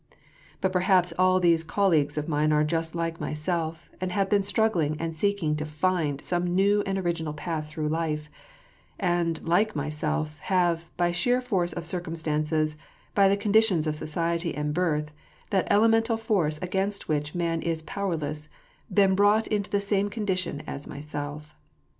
"But perhaps all these colleagues of mine are just like myself, and have been struggling and seeking to find some new and original path through life; and, like myself, have, by sheer force of circumstances, by the conditions of society and birth, — that elemental force against which man is power less, — been brought into the same condition as myself."